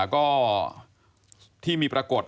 ก็ที่มีปรากฏ